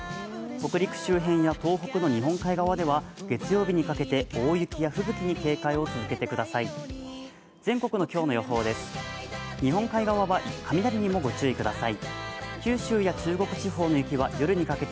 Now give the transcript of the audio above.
北陸周辺や東北の日本海側では、月曜日にかけて大雪や吹雪に警戒を続けてください。